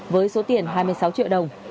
với số tiền hai mươi sáu triệu đồng